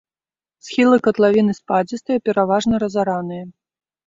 Схілы катлавіны спадзістыя, пераважна разараныя.